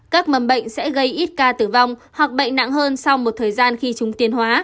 các mầm bệnh sẽ gây ít ca tử vong hoặc bệnh nặng hơn sau một thời gian khi chúng tiến hóa